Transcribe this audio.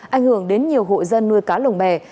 anh hưởng đến nhiều hội dân nuôi cá lồng bè